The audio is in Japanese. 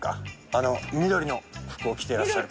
あの緑の服を着ていらっしゃる。